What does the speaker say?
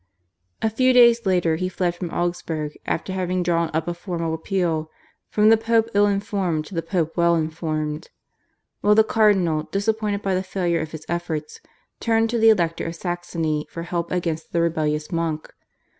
A few days later he fled from Augsburg after having drawn up a formal appeal "from the Pope ill informed to the Pope well informed," while the cardinal, disappointed by the failure of his efforts, turned to the Elector of Saxony for help against the rebellious monk.